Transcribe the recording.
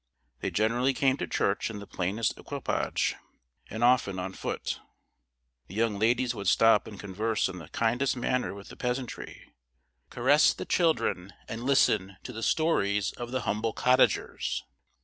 They generally came to church in the plainest equipage, and often on foot. The young ladies would stop and converse in the kindest manner with the peasantry, caress the children, and listen to the stories of the humble cottagers.